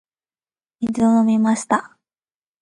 水を飲みました。